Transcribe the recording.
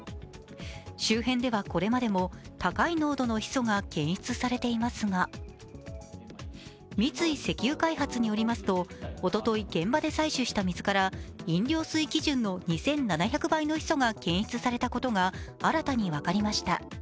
周辺ではこれまでも高い濃度のヒ素が検出されていますが三井石油開発によりますとおととい現場で採取した水から飲料水基準の２７００倍のヒ素が検出されたことが新たに分かりました。